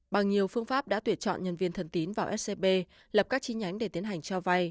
bằng nhiều phương pháp đã tuyển chọn nhân viên thần tín vào scb lập các chi nhánh để tiến hành cho vay